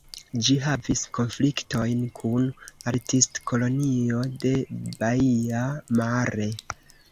Ĝi havis konfliktojn kun Artistkolonio de Baia Mare.